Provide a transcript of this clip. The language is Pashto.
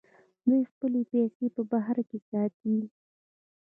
دوی خپلې پیسې په بهر کې ساتي.